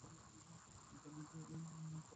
ইন্টারনেটকে তাঁরা কাজে লাগিয়ে আরও সামনে এগিয়ে যাবেন।